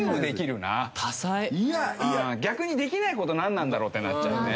逆にできない事なんなんだろうってなっちゃうね。